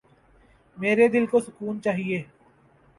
میرے دل کو سکون چایئے